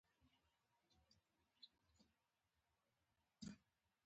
شهسوار وويل: همدا چاغ سرکوزی يې مشر و.